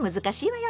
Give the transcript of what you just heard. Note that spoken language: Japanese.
難しい。